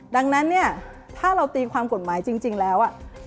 ดังนั้นเนี่ยถ้าเราตีความกฎหมายจริงแล้ว